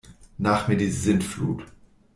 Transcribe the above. Nach mir die Sintflut!